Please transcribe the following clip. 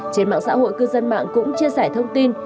trên mạng xã hội cư dân mạng cũng chia sẻ thông tin